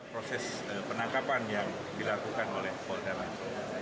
proses penangkapan yang dilakukan